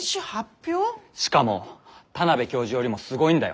しかも田邊教授よりもすごいんだよ。